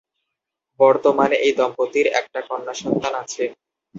বর্তমানে, এই দম্পতির একটা কন্যা সন্তান আছে।